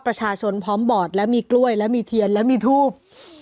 ประชาชนพร้อมบอดและมีกล้วยและมีเทียนและมีทูบ